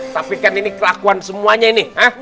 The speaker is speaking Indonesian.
tapi kan ini kelakuan semuanya ini